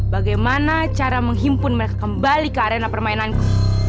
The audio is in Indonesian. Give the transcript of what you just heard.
bagaimana cara menghimpun mereka kembali ke arena permainanku